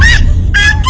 aduh jangan bercanda dong